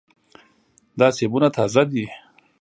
دا سیبونه تازه دي.